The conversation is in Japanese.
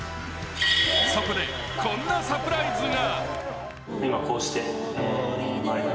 そこでこんなサプライズが。